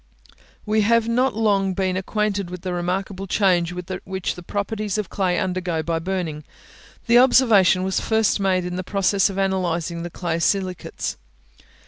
We have not long been acquainted with the remarkable change which the properties of clay undergo by burning. The observation was first made in the process of analysing the clay silicates.